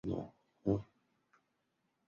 作品获香港文化博物馆作永久收藏。